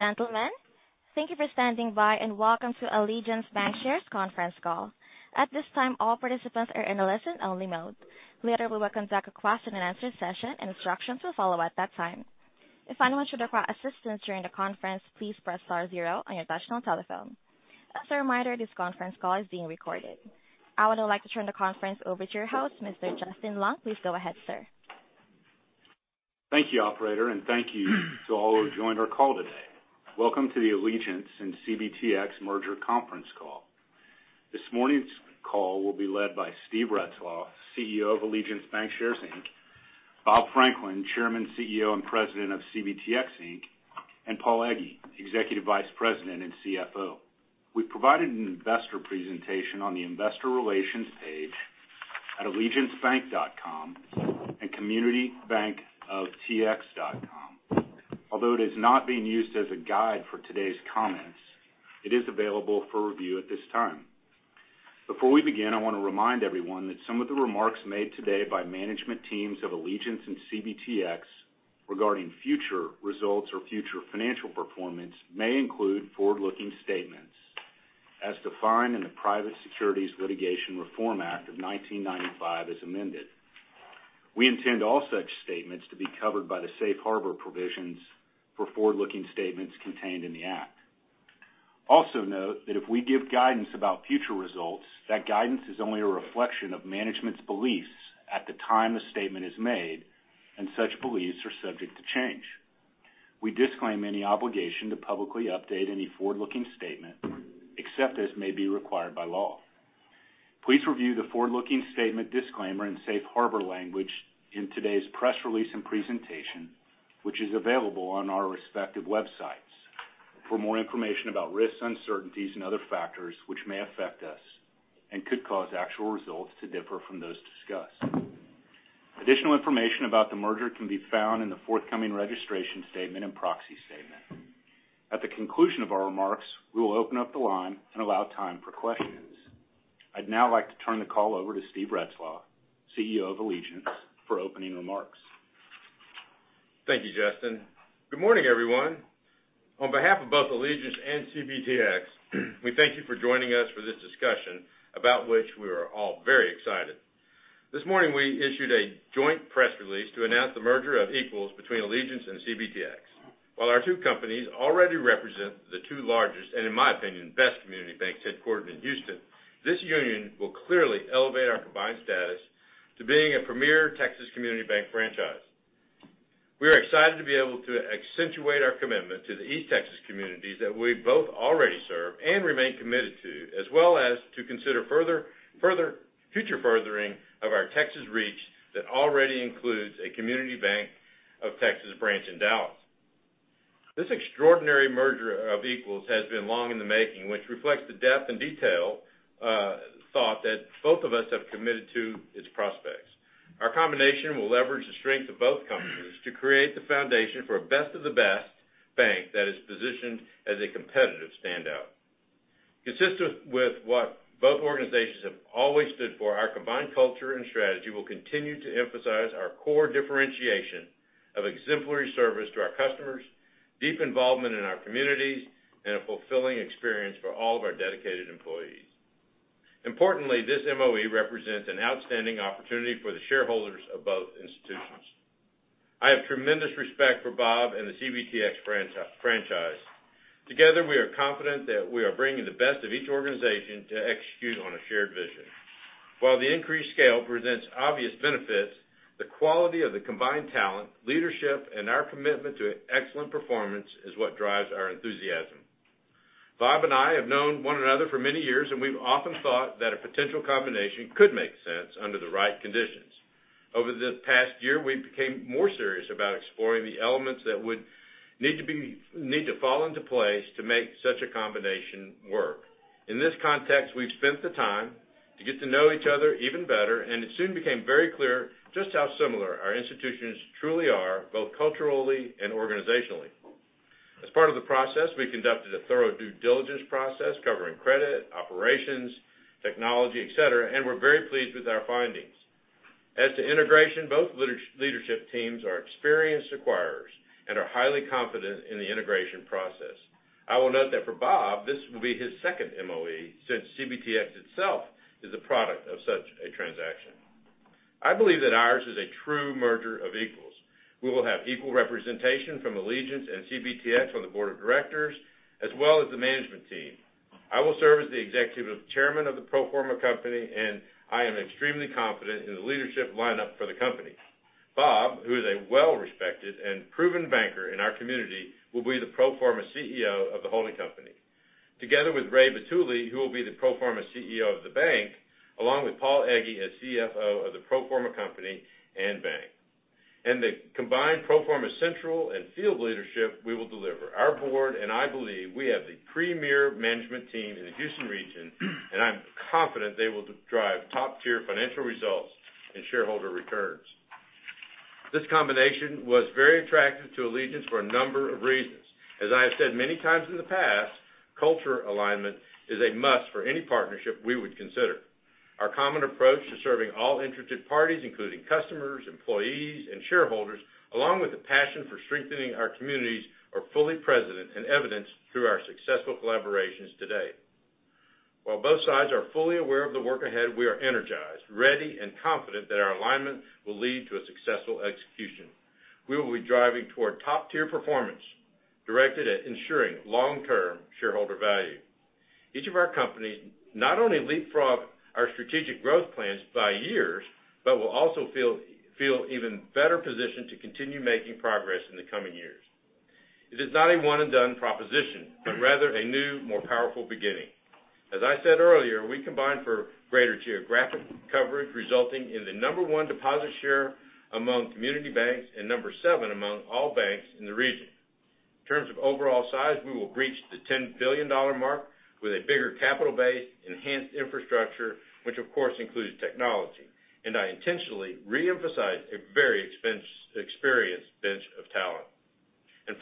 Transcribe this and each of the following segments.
Gentlemen, thank you for standing by, and welcome to Allegiance Bancshares conference call. At this time, all participants are in a listen-only mode. Later, we will conduct a question-and-answer session, and instructions will follow at that time. If anyone should require assistance during the conference, please press star zero on your touch-tone telephone. As a reminder, this conference call is being recorded. I would like to turn the conference over to your host, Mr. Justin Long. Please go ahead, sir. Thank you, operator, and thank you to all who joined our call today. Welcome to the Allegiance and CBTX merger conference call. This morning's call will be led by Steve Retzloff, CEO of Allegiance Bancshares, Inc., Bob Franklin, Chairman, CEO, and President of CBTX, Inc., and Paul Egge, Executive Vice President and CFO. We provided an investor presentation on the investor relations page at allegiancebank.com and communitybankoftx.com. Although it is not being used as a guide for today's comments, it is available for review at this time. Before we begin, I want to remind everyone that some of the remarks made today by management teams of Allegiance and CBTX regarding future results or future financial performance may include forward-looking statements as defined in the Private Securities Litigation Reform Act of 1995, as amended. We intend all such statements to be covered by the safe harbor provisions for forward-looking statements contained in the act. Also note that if we give guidance about future results, that guidance is only a reflection of management's beliefs at the time the statement is made, and such beliefs are subject to change. We disclaim any obligation to publicly update any forward-looking statement, except as may be required by law. Please review the forward-looking statement disclaimer and safe harbor language in today's press release and presentation, which is available on our respective websites for more information about risks, uncertainties, and other factors which may affect us and could cause actual results to differ from those discussed. Additional information about the merger can be found in the forthcoming registration statement and proxy statement. At the conclusion of our remarks, we will open up the line and allow time for questions. I'd now like to turn the call over to Steve Retzloff, CEO of Allegiance, for opening remarks. Thank you, Justin. Good morning, everyone. On behalf of both Allegiance and CBTX, we thank you for joining us for this discussion about which we are all very excited. This morning, we issued a joint press release to announce the merger of equals between Allegiance and CBTX. While our two companies already represent the two largest, and in my opinion, best community banks headquartered in Houston, this union will clearly elevate our combined status to being a premier Texas community bank franchise. We are excited to be able to accentuate our commitment to the East Texas communities that we both already serve and remain committed to, as well as to consider future furthering of our Texas reach that already includes a CommunityBank of Texas branch in Dallas. This extraordinary merger of equals has been long in the making, which reflects the depth and detail, thought that both of us have committed to its prospects. Our combination will leverage the strength of both companies to create the foundation for a best-of-the-best bank that is positioned as a competitive standout. Consistent with what both organizations have always stood for, our combined culture and strategy will continue to emphasize our core differentiation of exemplary service to our customers, deep involvement in our communities, and a fulfilling experience for all of our dedicated employees. Importantly, this MOE represents an outstanding opportunity for the shareholders of both institutions. I have tremendous respect for Bob and the CBTX franchise. Together, we are confident that we are bringing the best of each organization to execute on a shared vision. While the increased scale presents obvious benefits, the quality of the combined talent, leadership, and our commitment to excellent performance is what drives our enthusiasm. Bob and I have known one another for many years, and we've often thought that a potential combination could make sense under the right conditions. Over the past year, we became more serious about exploring the elements that would need to fall into place to make such a combination work. In this context, we've spent the time to get to know each other even better, and it soon became very clear just how similar our institutions truly are, both culturally and organizationally. As part of the process, we conducted a thorough due diligence process covering credit, operations, technology, et cetera, and we're very pleased with our findings. As to integration, both leadership teams are experienced acquirers and are highly confident in the integration process. I will note that for Bob, this will be his second MOE, since CBTX itself is a product of such a transaction. I believe that ours is a true merger of equals. We will have equal representation from Allegiance and CBTX on the board of directors as well as the management team. I will serve as the Executive Chairman of the pro forma company, and I am extremely confident in the leadership lineup for the company. Bob, who is a well-respected and proven banker in our community, will be the pro forma CEO of the holding company, together with Ramon Vitulli, who will be the pro forma CEO of the bank, along with Paul Egge as CFO of the pro forma company and bank. In the combined pro forma central and field leadership, we will deliver. Our board and I believe we have the premier management team in the Houston region, and I'm confident they will drive top-tier financial results and shareholder returns. This combination was very attractive to Allegiance for a number of reasons. As I have said many times in the past, culture alignment is a must for any partnership we would consider. Our common approach to serving all interested parties, including customers, employees, and shareholders, along with the passion for strengthening our communities, are fully present and evidenced through our successful collaborations to date. While both sides are fully aware of the work ahead, we are energized, ready, and confident that our alignment will lead to a successful execution. We will be driving toward top-tier performance directed at ensuring long-term shareholder value. Each of our companies not only leapfrog our strategic growth plans by years, but will also feel even better positioned to continue making progress in the coming years. It is not a one-and-done proposition, but rather a new, more powerful beginning. As I said earlier, we combine for greater geographic coverage, resulting in the number one deposit share among community banks and number seven among all banks in the region. In terms of overall size, we will breach the $10 billion mark with a bigger capital base, enhanced infrastructure, which of course includes technology. I intentionally reemphasize a very experienced bench of talent.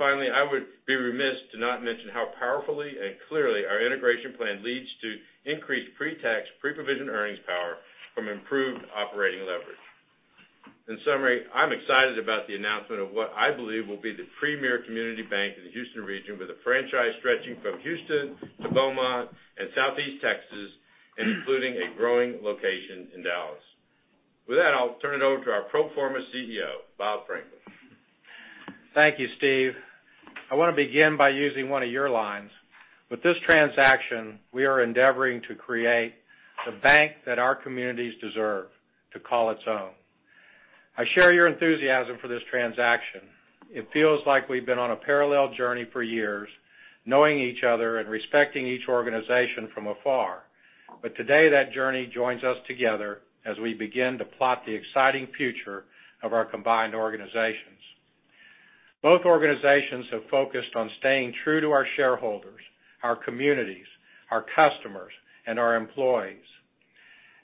Finally, I would be remiss to not mention how powerfully and clearly our integration plan leads to increased pre-tax, pre-provision earnings power from improved operating leverage. In summary, I'm excited about the announcement of what I believe will be the premier community bank in the Houston region, with a franchise stretching from Houston to Beaumont and Southeast Texas, and including a growing location in Dallas. With that, I'll turn it over to our pro forma CEO, Bob Franklin. Thank you, Steve. I wanna begin by using one of your lines. With this transaction, we are endeavoring to create the bank that our communities deserve to call its own. I share your enthusiasm for this transaction. It feels like we've been on a parallel journey for years, knowing each other and respecting each organization from afar. Today, that journey joins us together as we begin to plot the exciting future of our combined organizations. Both organizations have focused on staying true to our shareholders, our communities, our customers, and our employees.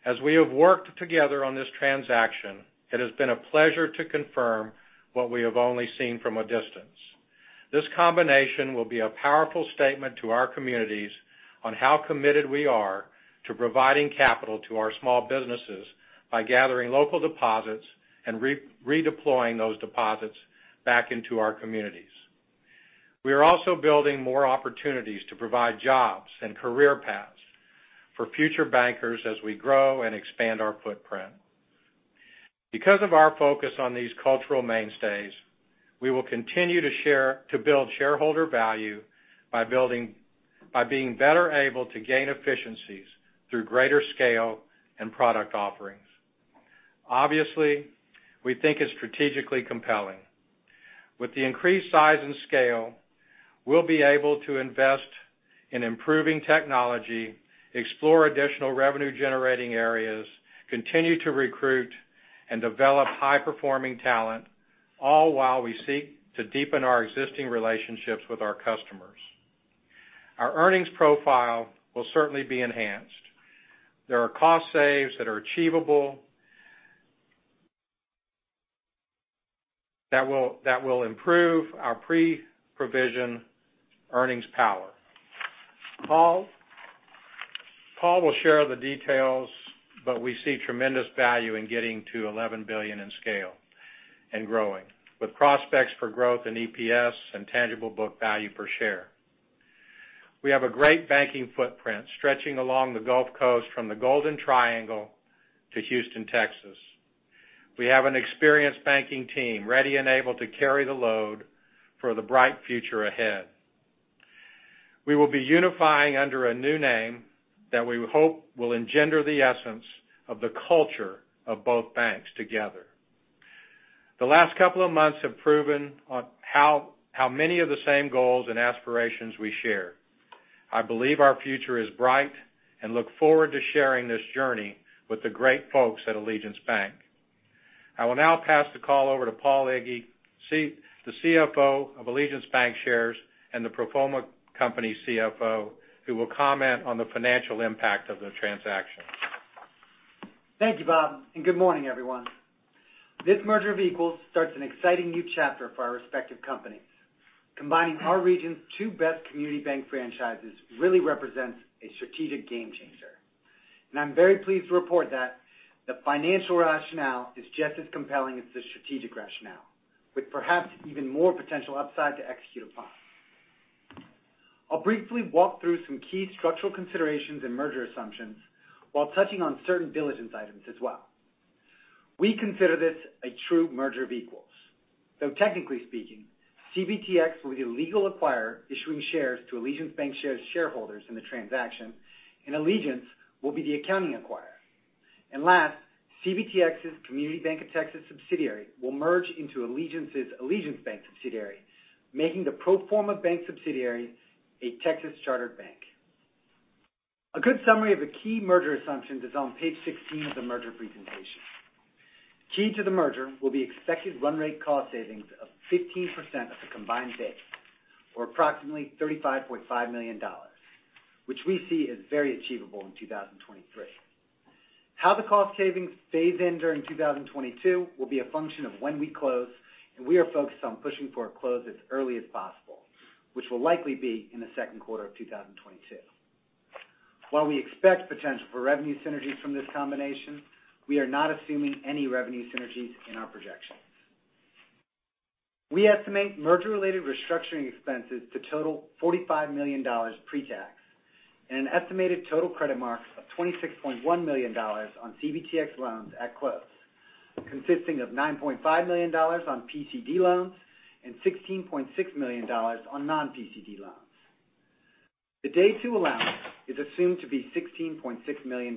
As we have worked together on this transaction, it has been a pleasure to confirm what we have only seen from a distance. This combination will be a powerful statement to our communities on how committed we are to providing capital to our small businesses by gathering local deposits and redeploying those deposits back into our communities. We are also building more opportunities to provide jobs and career paths for future bankers as we grow and expand our footprint. Because of our focus on these cultural mainstays, we will continue to build shareholder value by being better able to gain efficiencies through greater scale and product offerings. Obviously, we think it's strategically compelling. With the increased size and scale, we'll be able to invest in improving technology, explore additional revenue-generating areas, continue to recruit and develop high-performing talent, all while we seek to deepen our existing relationships with our customers. Our earnings profile will certainly be enhanced. There are cost saves that are achievable that will improve our pre-provision earnings power. Paul will share the details, but we see tremendous value in getting to $11 billion in scale and growing, with prospects for growth in EPS and tangible book value per share. We have a great banking footprint stretching along the Gulf Coast from the Golden Triangle to Houston, Texas. We have an experienced banking team ready and able to carry the load for the bright future ahead. We will be unifying under a new name that we hope will engender the essence of the culture of both banks together. The last couple of months have proven how many of the same goals and aspirations we share. I believe our future is bright and look forward to sharing this journey with the great folks at Allegiance Bank. I will now pass the call over to Paul Egge, the CFO of Allegiance Bancshares and the pro forma company CFO, who will comment on the financial impact of the transaction. Thank you, Bob, and good morning, everyone. This merger of equals starts an exciting new chapter for our respective companies. Combining our region's two best community bank franchises really represents a strategic game changer. I'm very pleased to report that the financial rationale is just as compelling as the strategic rationale, with perhaps even more potential upside to execute upon. I'll briefly walk through some key structural considerations and merger assumptions while touching on certain diligence items as well. We consider this a true merger of equals, though technically speaking, CBTX will be the legal acquirer issuing shares to Allegiance Bancshares shareholders in the transaction, and Allegiance will be the accounting acquirer. Last, CBTX's CommunityBank of Texas subsidiary will merge into Allegiance's Allegiance Bank subsidiary, making the pro forma bank subsidiary a Texas-chartered bank. A good summary of the key merger assumptions is on page 16 of the merger presentation. Key to the merger will be expected run rate cost savings of 15% of the combined base, or approximately $35.5 million, which we see as very achievable in 2023. How the cost savings phase in during 2022 will be a function of when we close, and we are focused on pushing for a close as early as possible, which will likely be in the second quarter of 2022. While we expect potential for revenue synergies from this combination, we are not assuming any revenue synergies in our projections. We estimate merger-related restructuring expenses to total $45 million pre-tax and an estimated total credit marks of $26.1 million on CBTX loans at close, consisting of $9.5 million on PCD loans and $16.6 million on non-PCD loans. The day two allowance is assumed to be $16.6 million.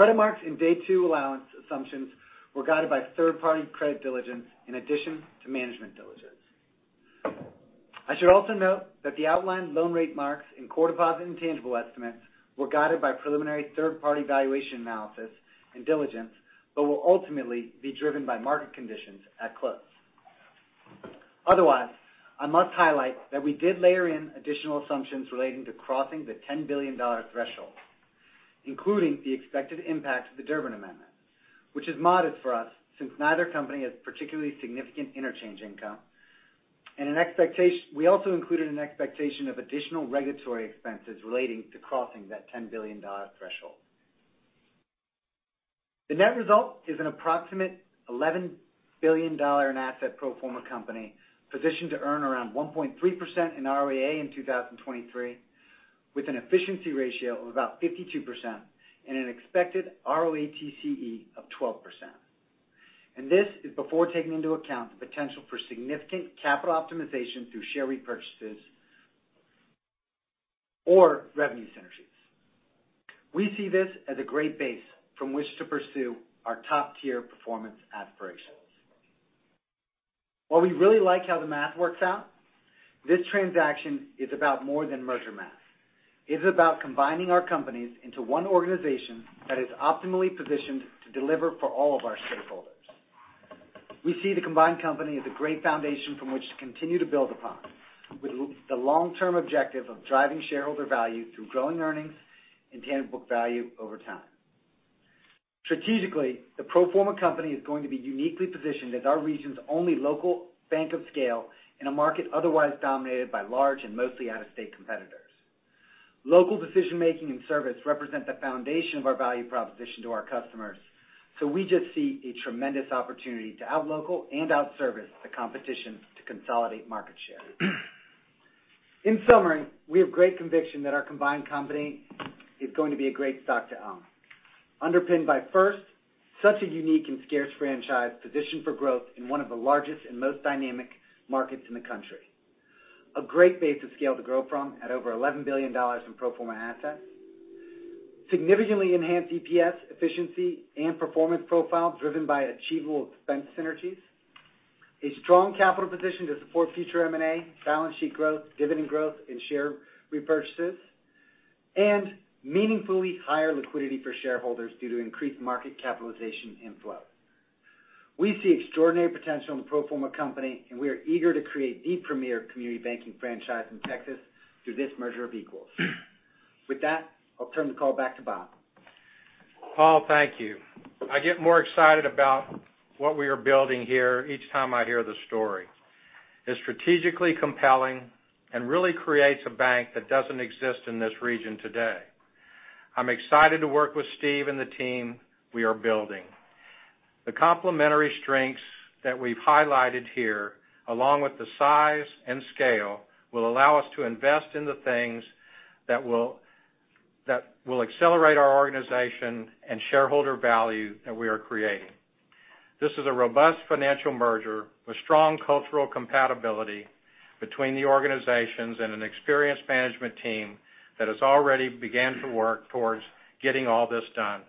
Credit marks in day two allowance assumptions were guided by third-party credit diligence in addition to management diligence. I should also note that the outlined loan rate marks in core deposit and tangible estimates were guided by preliminary third-party valuation analysis and diligence, but will ultimately be driven by market conditions at close. Otherwise, I must highlight that we did layer in additional assumptions relating to crossing the $10 billion threshold, including the expected impact of the Durbin Amendment, which is modest for us since neither company has particularly significant interchange income. We also included an expectation of additional regulatory expenses relating to crossing that $10 billion threshold. The net result is an approximate $11 billion in assets pro forma company positioned to earn around 1.3% in ROA in 2023, with an efficiency ratio of about 52% and an expected ROATCE of 12%. This is before taking into account the potential for significant capital optimization through share repurchases or revenue synergies. We see this as a great base from which to pursue our top-tier performance aspirations. While we really like how the math works out, this transaction is about more than merger math. It's about combining our companies into one organization that is optimally positioned to deliver for all of our stakeholders. We see the combined company as a great foundation from which to continue to build upon, with the long-term objective of driving shareholder value through growing earnings and tangible book value over time. Strategically, the pro forma company is going to be uniquely positioned as our region's only local bank of scale in a market otherwise dominated by large and mostly out-of-state competitors. Local decision-making and service represent the foundation of our value proposition to our customers, so we just see a tremendous opportunity to out local and out service the competition to consolidate market share. In summary, we have great conviction that our combined company is going to be a great stock to own. Underpinned by first, such a unique and scarce franchise positioned for growth in one of the largest and most dynamic markets in the country. A great base of scale to grow from at over $11 billion in pro forma assets. Significantly enhanced EPS efficiency and performance profile driven by achievable expense synergies. A strong capital position to support future M&A, balance sheet growth, dividend growth, and share repurchases, and meaningfully higher liquidity for shareholders due to increased market capitalization inflow. We see extraordinary potential in the pro forma company, and we are eager to create the premier community banking franchise in Texas through this merger of equals. With that, I'll turn the call back to Bob. Paul, thank you. I get more excited about what we are building here each time I hear the story. It's strategically compelling and really creates a bank that doesn't exist in this region today. I'm excited to work with Steve and the team we are building. The complementary strengths that we've highlighted here, along with the size and scale, will allow us to invest in the things that will accelerate our organization and shareholder value that we are creating. This is a robust financial merger with strong cultural compatibility between the organizations and an experienced management team that has already began to work towards getting all this done.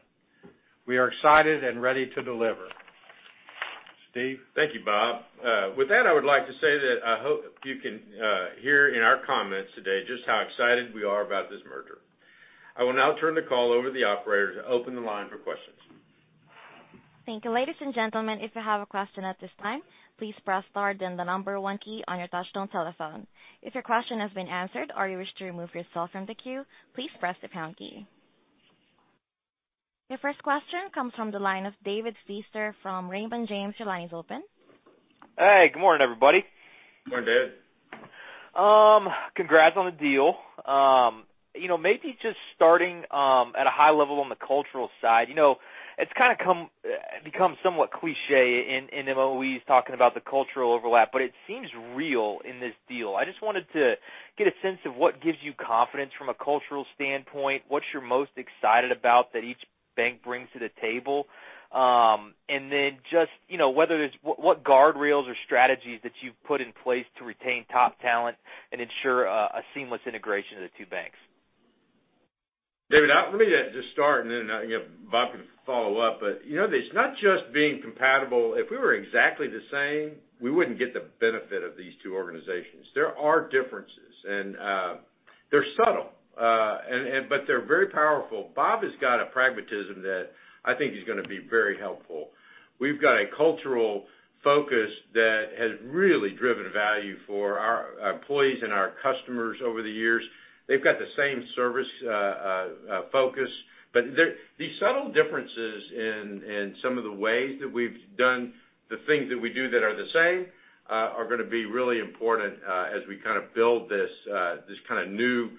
We are excited and ready to deliver. Steve? Thank you, Bob. With that, I would like to say that I hope you can hear in our comments today just how excited we are about this merger. I will now turn the call over to the operator to open the line for questions. Thank you. Ladies and gentlemen, if you have a question at this time, please press star then the number one key on your touchtone telephone. If your question has been answered or you wish to remove yourself from the queue, please press the pound key. Your first question comes from the line of David Feaster from Raymond James. Your line is open. Hey, good morning, everybody. Good morning, David. Congrats on the deal. You know, maybe just starting at a high level on the cultural side. You know, it's kinda become somewhat cliché in MOEs talking about the cultural overlap, but it seems real in this deal. I just wanted to get a sense of what gives you confidence from a cultural standpoint. What you're most excited about that each bank brings to the table? And then just, you know, whether there's what guardrails or strategies that you've put in place to retain top talent and ensure a seamless integration of the two banks? David, let me just start, and then you know, Bob can follow up. You know, it's not just being compatible. If we were exactly the same, we wouldn't get the benefit of these two organizations. There are differences. They're subtle, but they're very powerful. Bob has got a pragmatism that I think is gonna be very helpful. We've got a cultural focus that has really driven value for our employees and our customers over the years. They've got the same service focus. These subtle differences in some of the ways that we've done the things that we do that are the same are gonna be really important as we kind of build this kinda new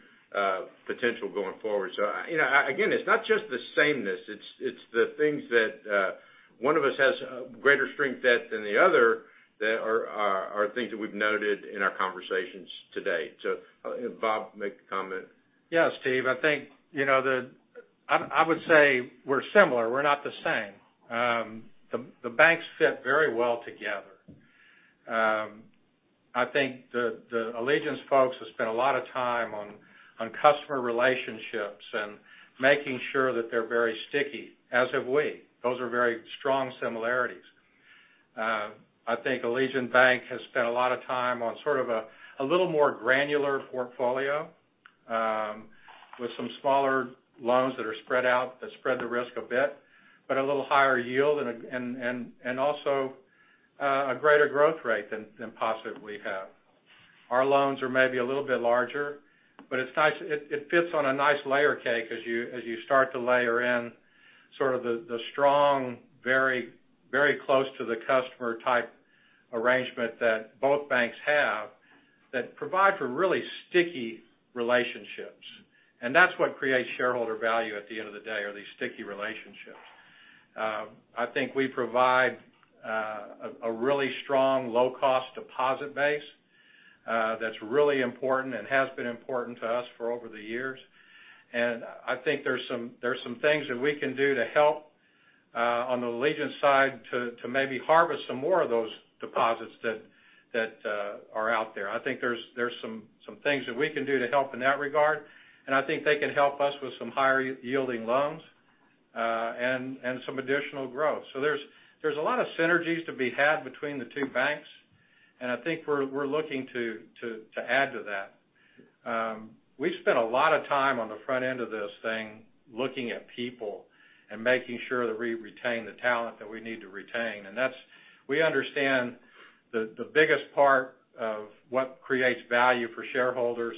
potential going forward. You know, again, it's not just the sameness, it's the things that one of us has greater strength at than the other that are things that we've noted in our conversations to date. Bob, make a comment. Yeah, Steve, I think, you know, I would say we're similar, we're not the same. The banks fit very well together. I think the Allegiance folks have spent a lot of time on customer relationships and making sure that they're very sticky, as have we. Those are very strong similarities. I think Allegiance Bank has spent a lot of time on sort of a little more granular portfolio with some smaller loans that are spread out that spread the risk a bit, but a little higher yield and also a greater growth rate than possibly we have. Our loans are maybe a little bit larger, but it's nice. It fits on a nice layer cake as you start to layer in sort of the strong, very close to the customer type arrangement that both banks have that provide for really sticky relationships. That's what creates shareholder value at the end of the day, are these sticky relationships. I think we provide a really strong low-cost deposit base that's really important and has been important to us for over the years. I think there's some things that we can do to help on the Allegiance side to maybe harvest some more of those deposits that are out there. I think there's some things that we can do to help in that regard, and I think they can help us with some higher yielding loans and some additional growth. There's a lot of synergies to be had between the two banks, and I think we're looking to add to that. We've spent a lot of time on the front end of this thing, looking at people and making sure that we retain the talent that we need to retain. We understand the biggest part of what creates value for shareholders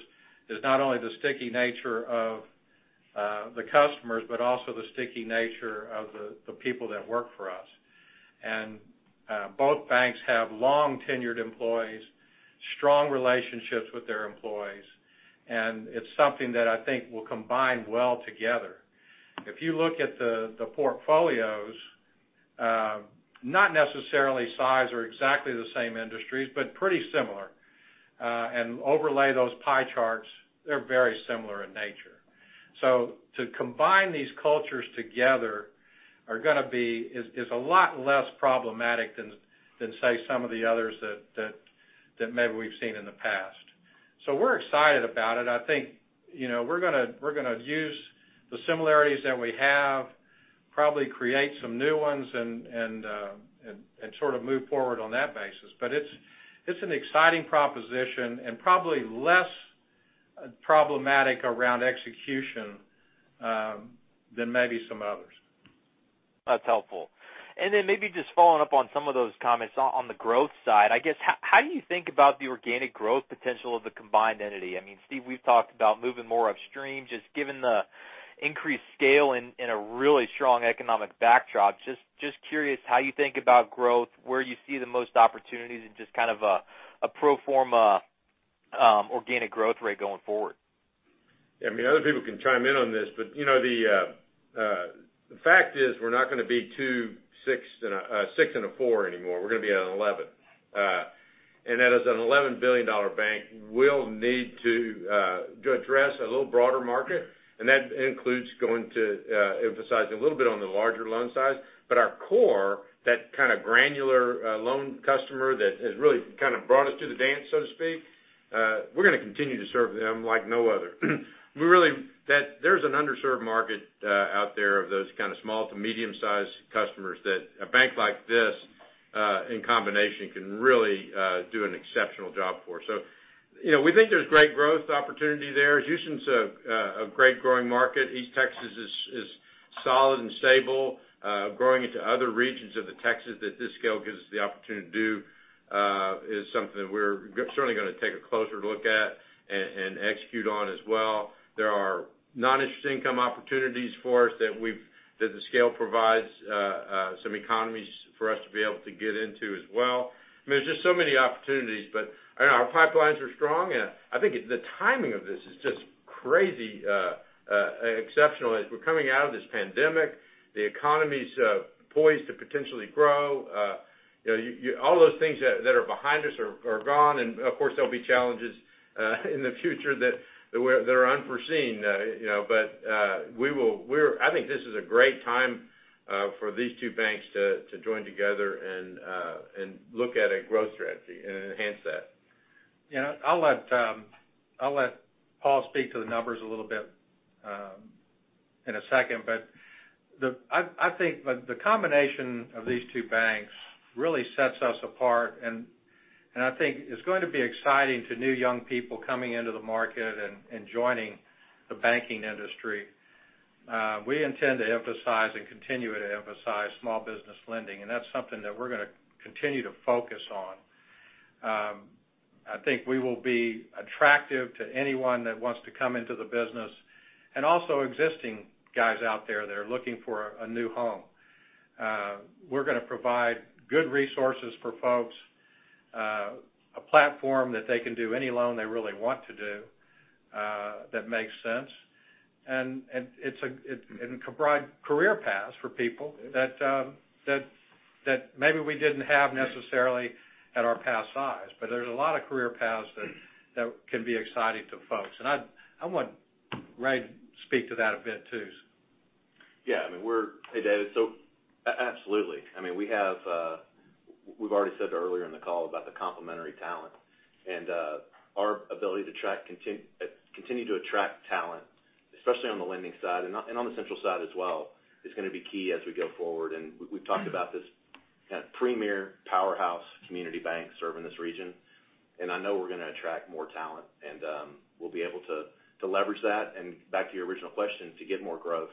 is not only the sticky nature of the customers, but also the sticky nature of the people that work for us. Both banks have long-tenured employees, strong relationships with their employees, and it's something that I think will combine well together. If you look at the portfolios, not necessarily size or exactly the same industries, but pretty similar, and overlay those pie charts, they're very similar in nature. To combine these cultures together is a lot less problematic than, say, some of the others that maybe we've seen in the past. We're excited about it. I think, you know, we're gonna use the similarities that we have, probably create some new ones and sort of move forward on that basis. It's an exciting proposition and probably less problematic around execution than maybe some others. That's helpful. Maybe just following up on some of those comments on the growth side. I guess how do you think about the organic growth potential of the combined entity? I mean, Steve, we've talked about moving more upstream, just given the increased scale in a really strong economic backdrop. Just curious how you think about growth, where you see the most opportunities and just kind of a pro forma organic growth rate going forward. I mean, other people can chime in on this, but, you know, the fact is, we're not gonna be 2.6 and a 4 anymore. We're gonna be an 11. As an $11 billion bank, we'll need to address a little broader market, and that includes going to emphasize a little bit on the larger loan size. Our core, that kind of granular loan customer that has really kind of brought us to the dance, so to speak, we're gonna continue to serve them like no other. There's an underserved market out there of those kind of small to medium-sized customers that a bank like this in combination can really do an exceptional job for. You know, we think there's great growth opportunity there. Houston's a great growing market. East Texas is solid and stable. Growing into other regions of Texas that this scale gives us the opportunity to do is something we're certainly gonna take a closer look at and execute on as well. There are non-interest income opportunities for us that the scale provides some economies for us to be able to get into as well. I mean, there's just so many opportunities, but I know our pipelines are strong, and I think the timing of this is just crazy, exceptional. As we're coming out of this pandemic, the economy's poised to potentially grow. You know, all those things that are behind us are gone. Of course, there'll be challenges in the future that are unforeseen, you know. I think this is a great time for these two banks to join together and look at a growth strategy and enhance that. You know, I'll let Paul speak to the numbers a little bit in a second. I think the combination of these two banks really sets us apart, and I think it's going to be exciting to new young people coming into the market and joining the banking industry. We intend to emphasize and continue to emphasize small business lending, and that's something that we're gonna continue to focus on. I think we will be attractive to anyone that wants to come into the business and also existing guys out there that are looking for a new home. We're gonna provide good resources for folks, a platform that they can do any loan they really want to do, that makes sense. It can provide career paths for people that maybe we didn't have necessarily at our past size. There's a lot of career paths that can be exciting to folks. I want Ray to speak to that a bit too. Yeah. I mean, hey, David. Absolutely. I mean, we've already said earlier in the call about the complementary talent and our ability to continue to attract talent, especially on the lending side and on the central side as well, is gonna be key as we go forward. We've talked about this kind of premier powerhouse community bank serving this region. I know we're gonna attract more talent and we'll be able to leverage that and back to your original question, to get more growth,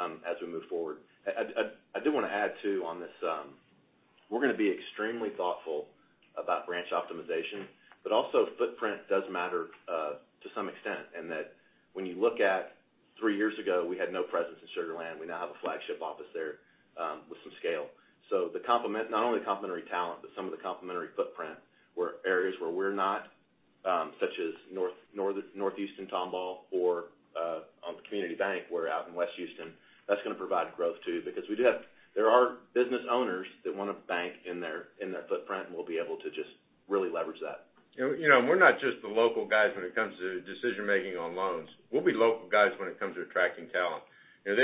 as we move forward. I do wanna add too on this, we're gonna be extremely thoughtful about branch optimization, but also footprint does matter to some extent in that when you look at three years ago, we had no presence in Sugar Land. We now have a flagship office there with some scale. The complement not only the complementary talent, but some of the complementary footprint, areas where we're not, such as northeastern Tomball or on the community bank, we're out in West Houston, that's gonna provide growth too, because there are business owners that want to bank in their footprint, and we'll be able to just really leverage that. You know, we're not just the local guys when it comes to decision-making on loans. We'll be local guys when it comes to attracting talent. You know,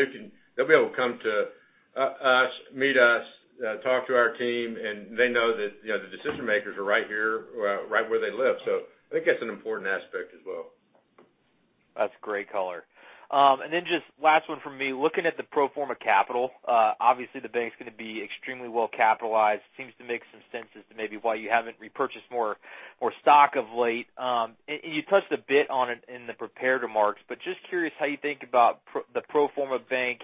they'll be able to come to us, meet us, talk to our team, and they know that, you know, the decision makers are right here, right where they live. I think that's an important aspect as well. That's great color. Just last one from me. Looking at the pro forma capital, obviously the bank's gonna be extremely well capitalized. Seems to make some sense as to maybe why you haven't repurchased more stock of late. You touched a bit on it in the prepared remarks, but just curious how you think about the pro forma bank,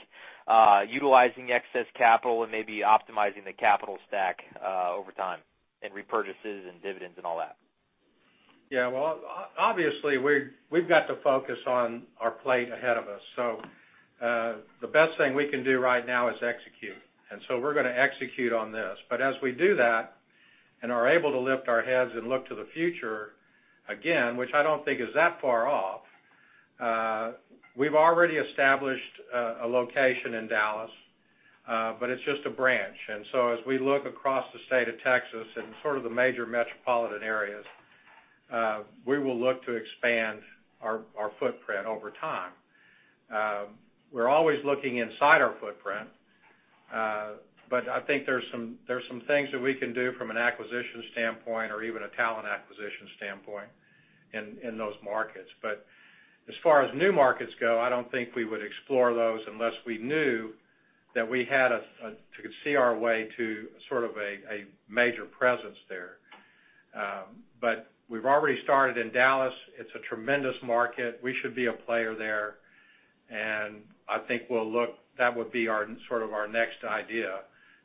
utilizing excess capital and maybe optimizing the capital stack, over time and repurchases and dividends and all that. Well, obviously, we've got to focus on our plate ahead of us. The best thing we can do right now is execute. We're gonna execute on this. As we do that and are able to lift our heads and look to the future, again, which I don't think is that far off, we've already established a location in Dallas, but it's just a branch. As we look across the state of Texas and sort of the major metropolitan areas, we will look to expand our footprint over time. We're always looking inside our footprint, but I think there are some things that we can do from an acquisition standpoint or even a talent acquisition standpoint in those markets. As far as new markets go, I don't think we would explore those unless we knew that we had a way to see our way to sort of a major presence there. We've already started in Dallas. It's a tremendous market. We should be a player there. I think that would be our sort of next idea,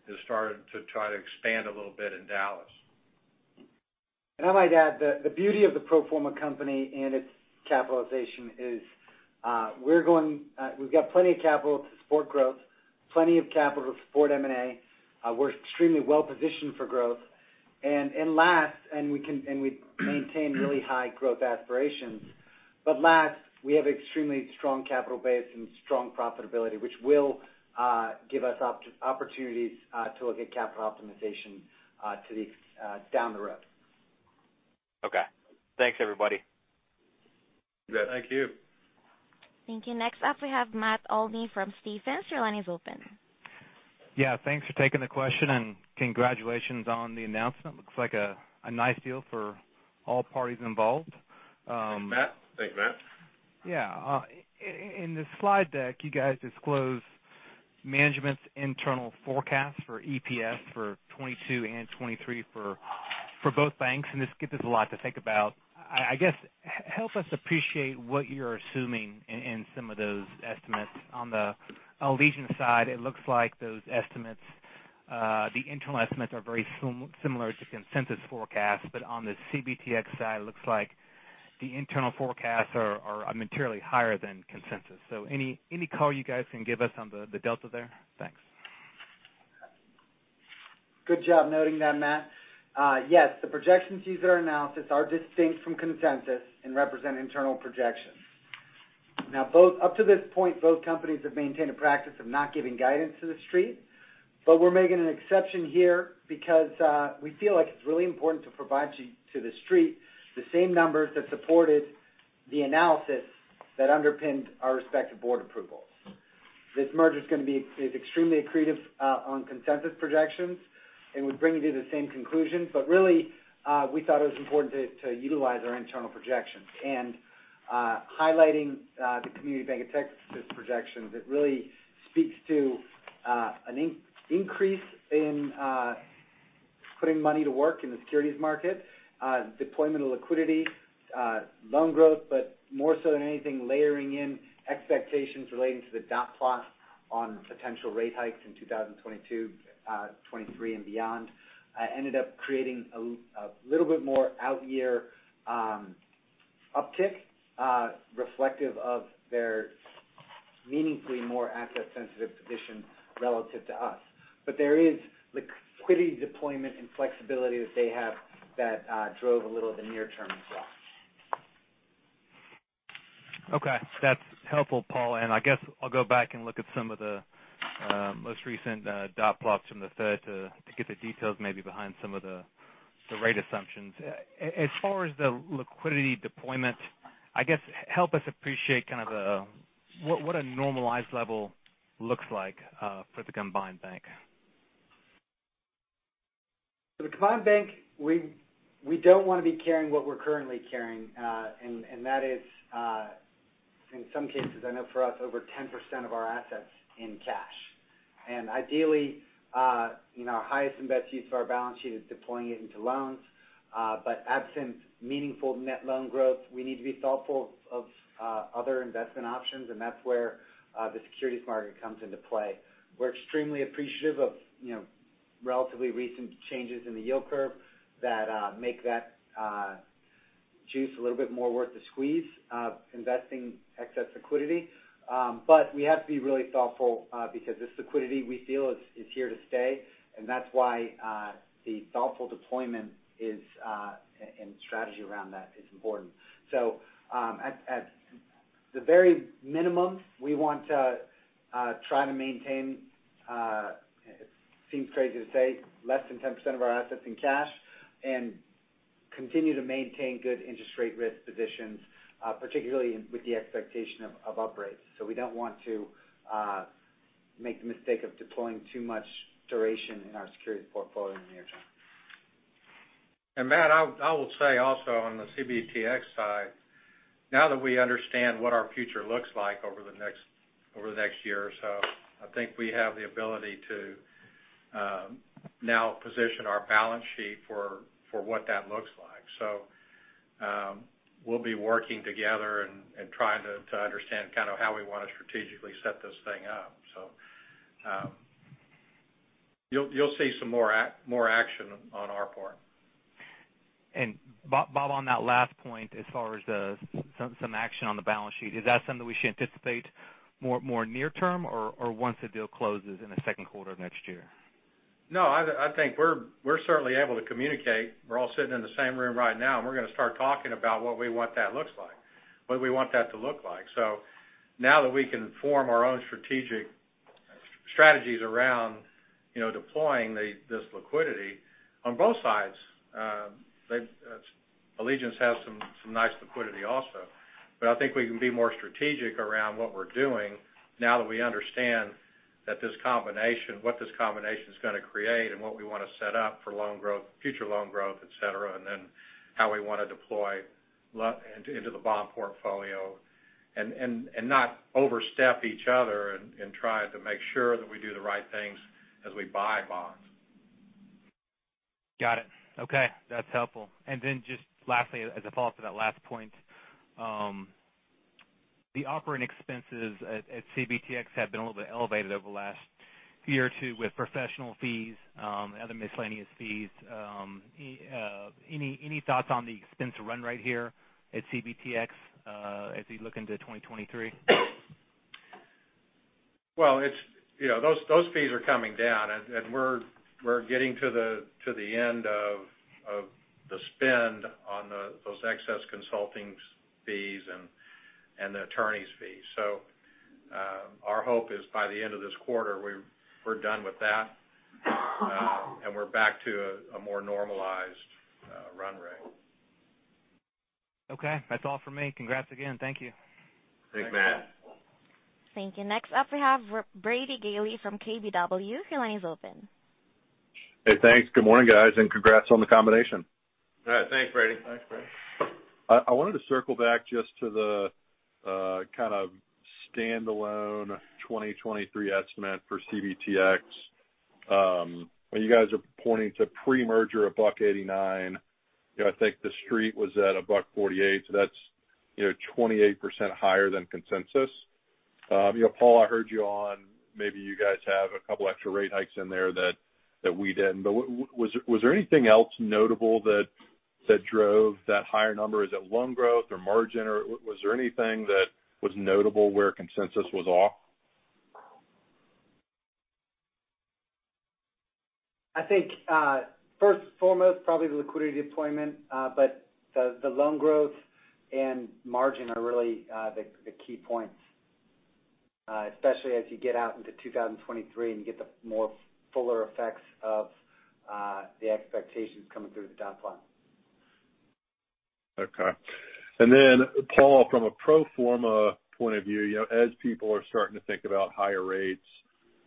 is to start to try to expand a little bit in Dallas. I might add, the beauty of the pro forma company and its capitalization is we've got plenty of capital to support growth, plenty of capital to support M&A. We're extremely well positioned for growth. Last, we maintain really high growth aspirations. Last, we have extremely strong capital base and strong profitability, which will give us opportunities to look at capital optimization down the road. Okay. Thanks, everybody. You bet. Thank you. Thank you. Next up, we have Matt Olney from Stephens. Your line is open. Yeah, thanks for taking the question and congratulations on the announcement. Looks like a nice deal for all parties involved. Matt. Thanks, Matt. Yeah. In the slide deck, you guys disclose management's internal forecast for EPS for 2022 and 2023 for both banks, and this gives us a lot to think about. I guess, help us appreciate what you're assuming in some of those estimates. On the Allegiance side, it looks like those estimates, the internal estimates are very similar to consensus forecasts. On the CBTX side, it looks like the internal forecasts are materially higher than consensus. So any color you guys can give us on the delta there? Thanks. Good job noting that, Matt. Yes, the projections used in our analysis are distinct from consensus and represent internal projections. Now up to this point, both companies have maintained a practice of not giving guidance to the street, but we're making an exception here because we feel like it's really important to provide to the street the same numbers that supported the analysis that underpinned our respective board approvals. This merger is extremely accretive on consensus projections and would bring you to the same conclusions. Really, we thought it was important to utilize our internal projections. Highlighting the CommunityBank of Texas' projections, it really speaks to an increase in putting money to work in the securities market, deployment of liquidity, loan growth, but more so than anything, layering in expectations relating to the dot plot on potential rate hikes in 2022, 2023 and beyond, ended up creating a little bit more out year uptick, reflective of their meaningfully more asset sensitive position relative to us. There is liquidity deployment and flexibility that they have that drove a little of the near term as well. Okay. That's helpful, Paul. I guess I'll go back and look at some of the most recent dot plots from the Fed to get the details maybe behind some of the rate assumptions. As far as the liquidity deployment, I guess help us appreciate kind of what a normalized level looks like for the combined bank. For the combined bank, we don't want to be carrying what we're currently carrying, and that is, in some cases, I know for us, over 10% of our assets in cash. Ideally, you know, our highest and best use of our balance sheet is deploying it into loans. But absent meaningful net loan growth, we need to be thoughtful of other investment options, and that's where the securities market comes into play. We're extremely appreciative of, you know, relatively recent changes in the yield curve that make that juice a little bit more worth the squeeze, investing excess liquidity. But we have to be really thoughtful because this liquidity we feel is here to stay. That's why the thoughtful deployment and strategy around that is important. At the very minimum, we want to try to maintain it seems crazy to say less than 10% of our assets in cash and continue to maintain good interest rate risk positions, particularly with the expectation of upgrades. We don't want to make the mistake of deploying too much duration in our securities portfolio in the near term. Matt, I will say also on the CBTX side, now that we understand what our future looks like over the next year or so, I think we have the ability to now position our balance sheet for what that looks like. We'll be working together and trying to understand kind of how we want to strategically set this thing up. You'll see some more action on our part. Bob, on that last point, as far as some action on the balance sheet, is that something we should anticipate more near term or once the deal closes in the second quarter of next year? No, I think we're certainly able to communicate. We're all sitting in the same room right now, and we're going to start talking about what we want that looks like, what we want that to look like. Now that we can form our own strategic strategies around, you know, deploying this liquidity on both sides, Allegiance has some nice liquidity also. I think we can be more strategic around what we're doing now that we understand that this combination, what this combination is going to create and what we want to set up for loan growth, future loan growth, et cetera, and then how we want to deploy into the bond portfolio and not overstep each other and try to make sure that we do the right things as we buy bonds. Got it. Okay. That's helpful. Just lastly, as a follow-up to that last point, the operating expenses at CBTX have been a little bit elevated over the last year or two with professional fees, other miscellaneous fees. Any thoughts on the expense run right here at CBTX, as we look into 2023? Well, it's, you know, those fees are coming down and we're getting to the end of the spend on those excess consulting fees and the attorneys' fees. So, our hope is by the end of this quarter, we're done with that and we're back to a more normalized run rate. Okay. That's all for me. Congrats again. Thank you. Thanks, Matt. Thanks. Thank you. Next up we have Brady Gailey from KBW. Your line is open. Hey, thanks. Good morning, guys, and congrats on the combination. All right. Thanks, Brady. Thanks, Brady. I wanted to circle back just to the kind of standalone 2023 estimate for CBTX. You guys are pointing to pre-merger $1.89. You know, I think the street was at $1.48, so that's, you know, 28% higher than consensus. You know, Paul, I heard you on maybe you guys have a couple extra rate hikes in there that we didn't. But was there anything else notable that drove that higher number? Is it loan growth or margin or was there anything that was notable where consensus was off? I think, first and foremost, probably the liquidity deployment, but the loan growth and margin are really, the key points, especially as you get out into 2023 and you get the more fuller effects of, the expectations coming through the dot plot. Okay. Paul, from a pro forma point of view, you know, as people are starting to think about higher rate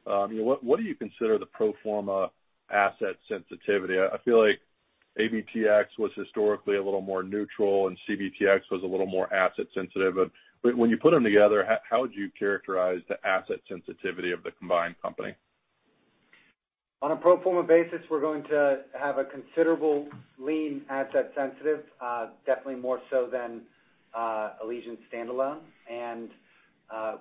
you know, what do you consider the pro forma asset sensitivity? I feel like ABTX was historically a little more neutral and CBTX was a little more asset sensitive. When you put them together, how would you characterize the asset sensitivity of the combined company? On a pro forma basis, we're going to have a considerably asset-sensitive, definitely more so than Allegiance standalone.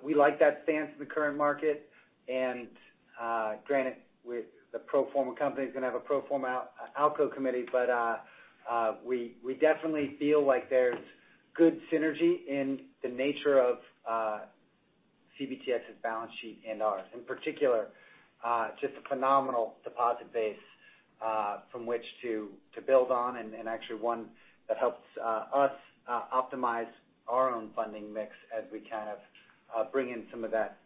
We like that stance in the current market. Granted, the pro forma company is gonna have a pro forma ALCO committee. We definitely feel like there's good synergy in the nature of CBTX's balance sheet and ours. In particular, just a phenomenal deposit base from which to build on and actually one that helps us optimize our own funding mix as we kind of bring in some of that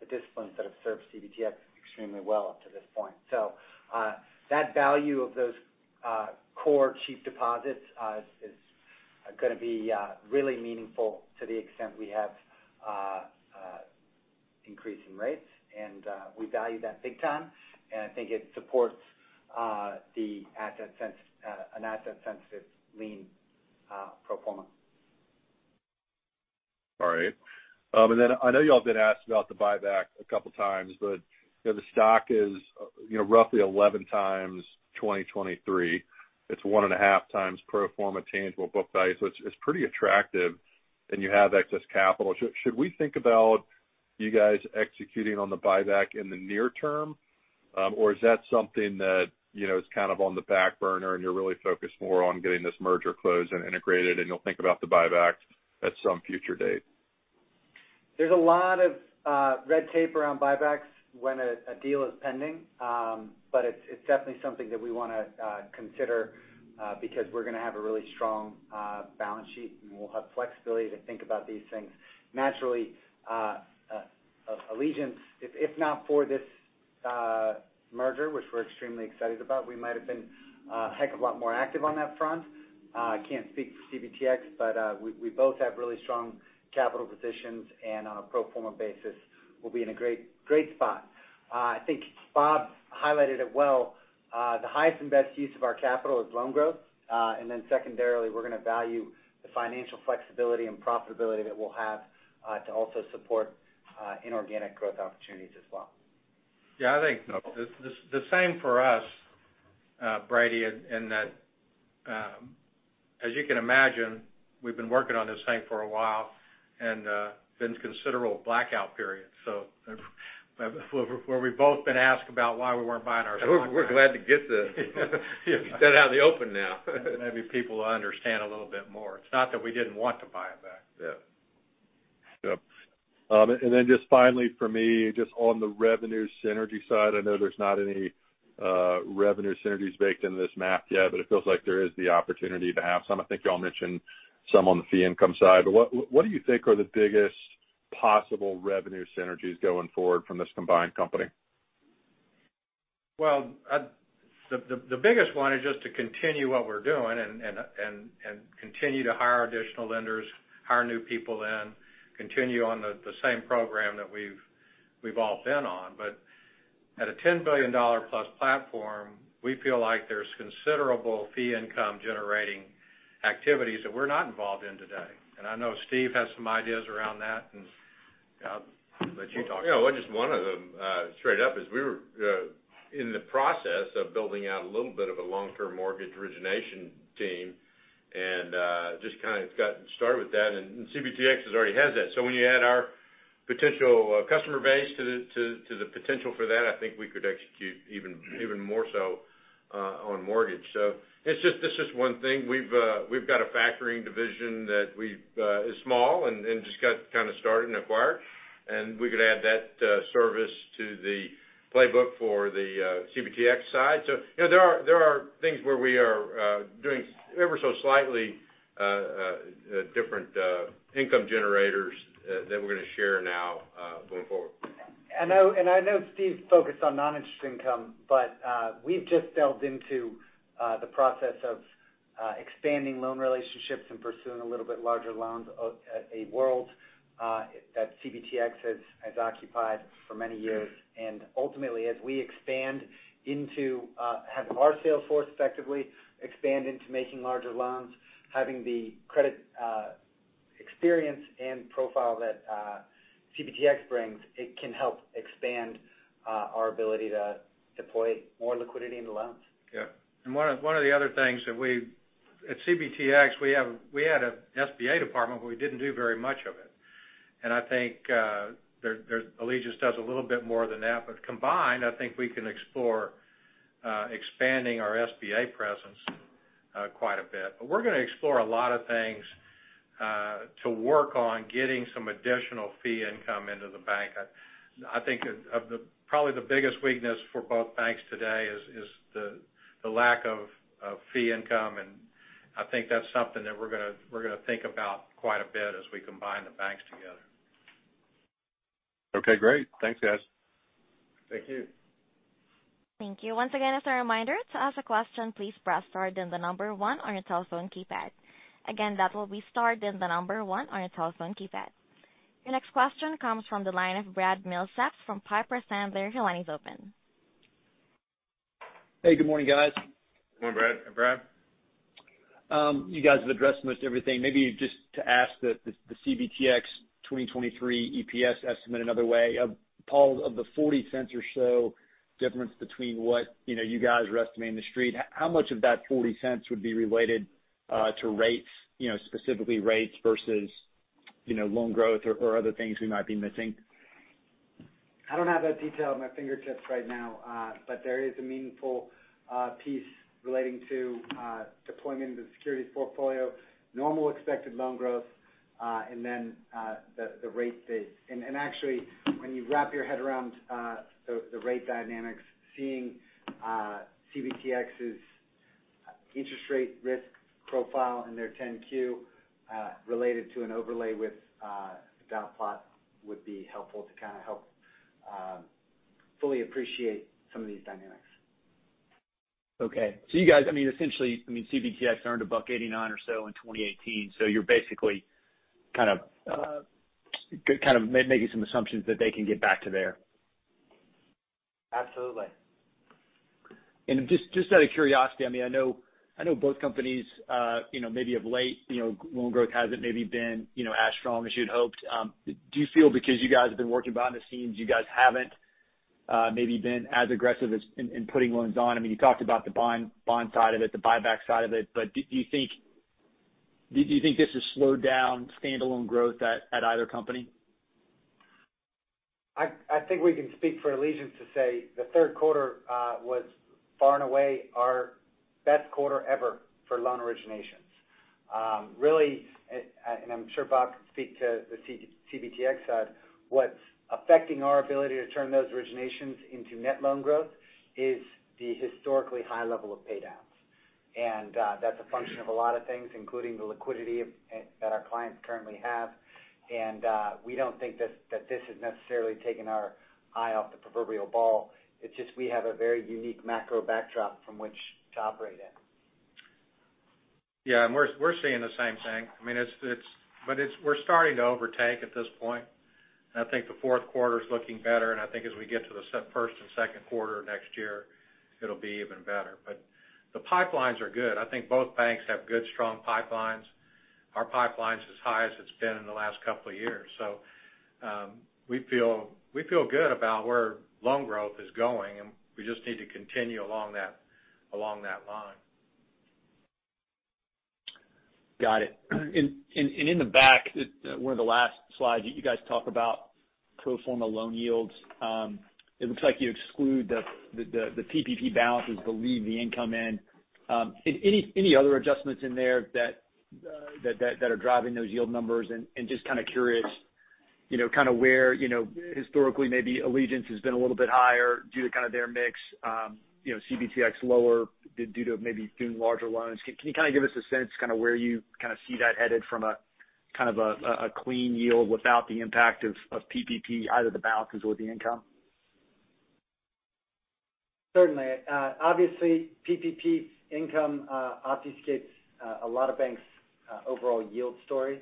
the disciplines that have served CBTX extremely well up to this point. That value of those core cheap deposits is gonna be really meaningful to the extent we have increasing rates. We value that big time. I think it supports an asset-sensitive lean pro forma. All right. I know y'all have been asked about the buyback a couple times, but you know, the stock is you know, roughly 11 times 2023. It's 1.5 times pro forma tangible book value. It's pretty attractive, and you have excess capital. Should we think about you guys executing on the buyback in the near term? Or is that something that you know, is kind of on the back burner and you're really focused more on getting this merger closed and integrated, and you'll think about the buyback at some future date? There's a lot of red tape around buybacks when a deal is pending. It's definitely something that we wanna consider, because we're gonna have a really strong balance sheet, and we'll have flexibility to think about these things. Naturally, Allegiance, if not for this merger, which we're extremely excited about, we might have been a heck of a lot more active on that front. I can't speak for CBTX, but we both have really strong capital positions, and on a pro forma basis, we'll be in a great spot. I think Bob highlighted it well. The highest and best use of our capital is loan growth. Secondarily, we're gonna value the financial flexibility and profitability that we'll have to also support inorganic growth opportunities as well. Yeah, I think the same for us, Brady, in that, as you can imagine, we've been working on this thing for a while and been considerable blackout period, where we've both been asked about why we weren't buying our stock back. It's out in the open now. Maybe people will understand a little bit more. It's not that we didn't want to buy back. Yeah. Yep. Just finally for me, just on the revenue synergy side, I know there's not any revenue synergies baked into this math yet, but it feels like there is the opportunity to have some. I think y'all mentioned some on the fee income side. What do you think are the biggest possible revenue synergies going forward from this combined company? Well, the biggest one is just to continue what we're doing and continue to hire additional lenders, hire new people in, continue on the same program that we've all been on. At a $10 billion-plus platform, we feel like there's considerable fee income generating activities that we're not involved in today. I know Steve has some ideas around that, and I'll let you talk. Yeah, well, just one of them straight up is we were in the process of building out a little bit of a long-term mortgage origination team and just kind of gotten started with that. CBTX already has that. When you add our potential customer base to the potential for that, I think we could execute even more so on mortgage. It's just one thing. We've got a factoring division that is small and just got kind of started and acquired, and we could add that service to the playbook for the CBTX side. You know, there are things where we are doing ever so slightly different income generators that we're gonna share now going forward. I know Steve's focused on non-interest income, but we've just delved into the process of expanding loan relationships and pursuing a little bit larger loans, a world that CBTX has occupied for many years. Ultimately, as we expand into having our sales force effectively expand into making larger loans, having the credit experience and profile that CBTX brings, it can help expand our ability to deploy more liquidity into loans. One of the other things that we had at CBTX is a SBA department, but we didn't do very much of it. I think Allegiance does a little bit more than that. Combined, I think we can explore expanding our SBA presence quite a bit. We're gonna explore a lot of things to work on getting some additional fee income into the bank. I think probably the biggest weakness for both banks today is the lack of fee income. I think that's something that we're gonna think about quite a bit as we combine the banks together. Okay, great. Thanks, guys. Thank you. Your next question comes from the line of Brad Milsaps from Piper Sandler. Your line is open. Hey, good morning, guys. Good morning, Brad. Brad. You guys have addressed most everything. Maybe just to ask the CBTX 2023 EPS estimate another way. Paul, of the $0.40 or so difference between what, you know, you guys are estimating and the Street, how much of that $0.40 would be related to rates, you know, specifically rates versus, you know, loan growth or other things we might be missing? I don't have that detail at my fingertips right now. There is a meaningful piece relating to deployment of the securities portfolio, normal expected loan growth, and then the rate base. Actually, when you wrap your head around the rate dynamics, seeing CBTX's interest rate risk profile in their 10-Q related to an overlay with the dot plot would be helpful to kind of help fully appreciate some of these dynamics. Okay. You guys, I mean, essentially, I mean, CBTX earned $1.89 or so in 2018, so you're basically kind of making some assumptions that they can get back to there. Absolutely. Just out of curiosity, I mean, I know both companies, you know, maybe of late, you know, loan growth hasn't maybe been, you know, as strong as you'd hoped. Do you feel because you guys have been working behind the scenes, you guys haven't maybe been as aggressive as in putting loans on? I mean, you talked about the bond side of it, the buyback side of it, but do you think this has slowed down standalone growth at either company? I think we can speak for Allegiance to say the third quarter was far and away our best quarter ever for loan originations. Really, and I'm sure Bob could speak to the CBTX side. What's affecting our ability to turn those originations into net loan growth is the historically high level of pay downs. That's a function of a lot of things, including the liquidity that our clients currently have. We don't think that this has necessarily taken our eye off the proverbial ball. It's just we have a very unique macro backdrop from which to operate in. Yeah, we're seeing the same thing. I mean, we're starting to overtake at this point. I think the fourth quarter is looking better, and I think as we get to the first and second quarter of next year, it'll be even better. The pipelines are good. I think both banks have good, strong pipelines. Our pipeline's as high as it's been in the last couple of years. We feel good about where loan growth is going, and we just need to continue along that line. Got it. In the back, one of the last slides, you guys talk about pro forma loan yields. It looks like you exclude the PPP balances but leave the income in. Any other adjustments in there that are driving those yield numbers? Just kind of curious, you know, kind of where, you know, historically maybe Allegiance has been a little bit higher due to kind of their mix, you know, CBTX lower due to maybe doing larger loans. Can you kind of give us a sense kind of where you kind of see that headed from a kind of a clean yield without the impact of PPP, either the balances or the income? Certainly. Obviously, PPP income obfuscates a lot of banks' overall yield story.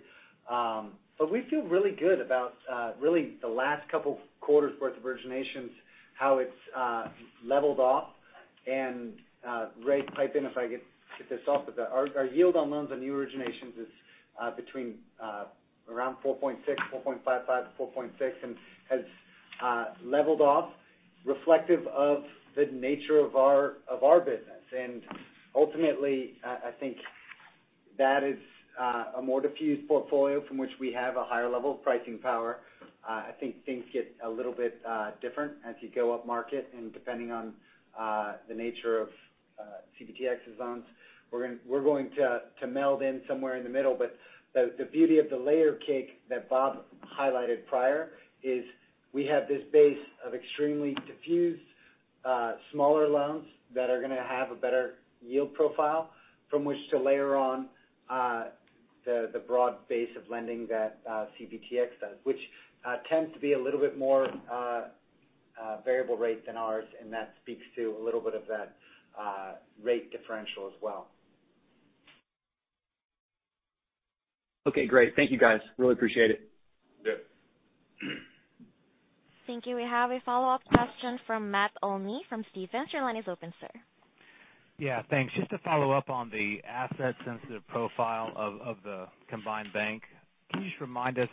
We feel really good about really the last couple quarters' worth of originations, how it's leveled off. Ray, pipe in if I get this off. Our yield on loans and new originations is between around 4.6%, 4.55%-4.6%, and has leveled off reflective of the nature of our business. Ultimately, I think that is a more diversified portfolio from which we have a higher level of pricing power. I think things get a little bit different as you go up market and depending on the nature of CBTX's loans. We're going to meld in somewhere in the middle, but the beauty of the layer cake that Bob highlighted prior is we have this base of extremely diffused smaller loans that are gonna have a better yield profile from which to layer on the broad base of lending that CBTX does, which tends to be a little bit more variable rate than ours, and that speaks to a little bit of that rate differential as well. Okay, great. Thank you guys. Really appreciate it. Yep. Thank you. We have a follow-up question from Matt Olney from Stephens. Your line is open, sir. Yeah, thanks. Just to follow up on the asset sensitive profile of the combined bank. Can you just remind us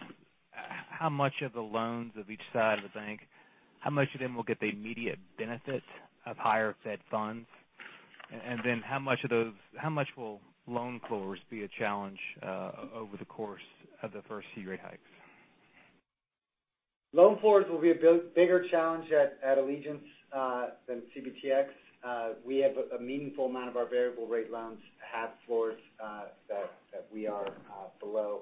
how much of the loans of each side of the bank, how much of them will get the immediate benefit of higher Fed funds? Then how much of those, how much will loan floors be a challenge over the course of the first few rate hikes? Loan floors will be a bigger challenge at Allegiance than CBTX. We have a meaningful amount of our variable rate loans have floors that we are below.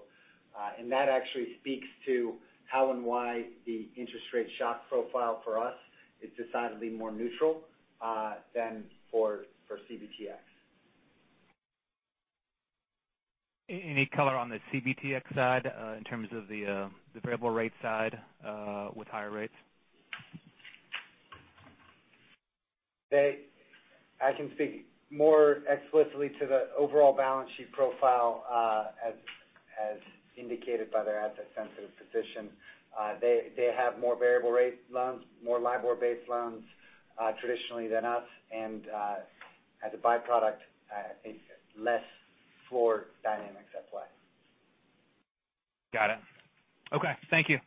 That actually speaks to how and why the interest rate shock profile for us is decidedly more neutral than for CBTX. Any color on the CBTX side, in terms of the variable rate side, with higher rates? I can speak more explicitly to the overall balance sheet profile, as indicated by their asset sensitive position. They have more variable rate loans, more LIBOR-based loans, traditionally than us. As a byproduct, I think less floor dynamics at play. Got it. Okay. Thank you.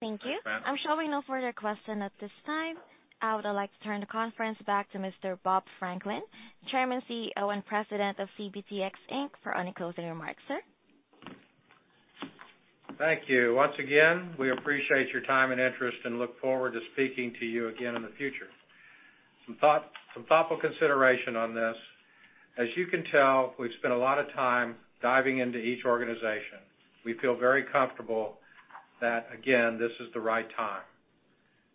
Thank you. Thanks, Matt. I'm showing no further questions at this time. I would like to turn the conference back to Mr. Bob Franklin, Chairman, CEO and President of CBTX, Inc., for any closing remarks. Sir? Thank you. Once again, we appreciate your time and interest and look forward to speaking to you again in the future. Some thought, some thoughtful consideration on this. As you can tell, we've spent a lot of time diving into each organization. We feel very comfortable that, again, this is the right time.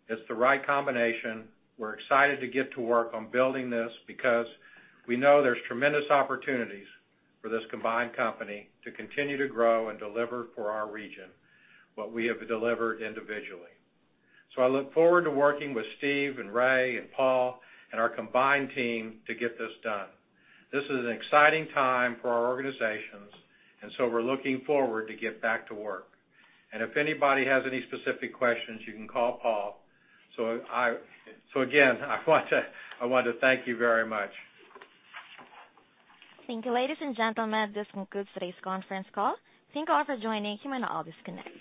It's the right combination. We're excited to get to work on building this because we know there's tremendous opportunities for this combined company to continue to grow and deliver for our region what we have delivered individually. I look forward to working with Steve and Ray and Paul and our combined team to get this done. This is an exciting time for our organizations, we're looking forward to get back to work. If anybody has any specific questions, you can call Paul. Again, I want to thank you very much. Thank you. Ladies and gentlemen, this concludes today's conference call. Thank you all for joining. You may now disconnect.